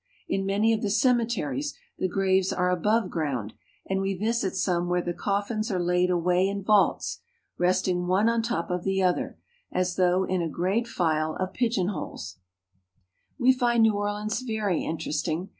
In many of the cemeteries the graves are above ground, and we visit some where the coffins are laid away in vaults, restmg one on top of the other, as though in a great file of pigeonholes. 140 THE SOUTH. We find New Orleans very interesting.